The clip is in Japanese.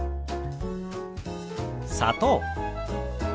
「砂糖」。